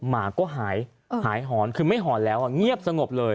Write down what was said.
หมาก็หายหายหอนคือไม่หอนแล้วเงียบสงบเลย